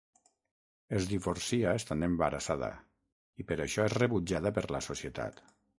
Es divorcia estant embarassada i per això és rebutjada per la societat.